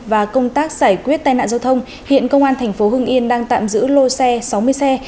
và công tác giải quyết tai nạn giao thông hiện công an tp hưng yên đang tạm giữ lô xe sáu mươi xe